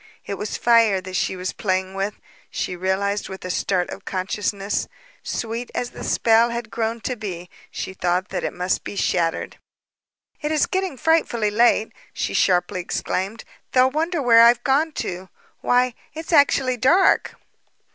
It was fire that she was playing with, she realized with a start of consciousness. Sweet as the spell had grown to be, she saw that it must be shattered. "It is getting frightfully late," she sharply exclaimed. "They'll wonder where I've gone to. Why, it's actually dark."